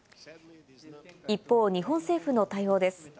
一方、日本政府の対応です。